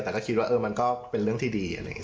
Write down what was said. แต่ก็คิดว่ามันก็เป็นเรื่องที่ดี